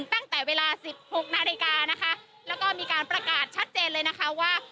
ตั้งแต่เวลาสิบหกนาฬิกานะคะแล้วก็มีการประกาศชัดเจนเลยนะคะว่า